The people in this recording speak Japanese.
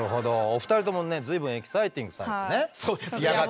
お二人ともね随分エキサイティングされてね嫌がっておられる。